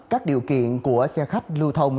các điều kiện của xe khách lưu thông